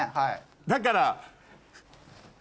だから。